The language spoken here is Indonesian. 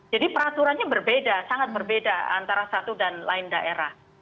jadi peraturannya berbeda sangat berbeda antara satu dan lain daerah